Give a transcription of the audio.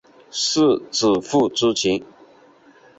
是主仆之情？